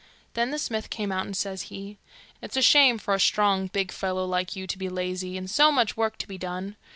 Then the smith came out, and says he, 'It's a shame for a strong, big fellow like you to be lazy, and so much work to be done.